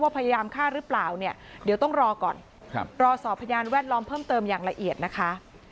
พยายามฆ่าหรือเปล่าเนี่ยเดี๋ยวต้องรอก่อนรอสอบพยานแวดล้อมเพิ่มเติมอย่างละเอียดนะคะ